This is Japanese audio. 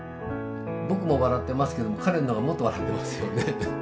僕も笑ってますけども彼の方はもっと笑ってますよね。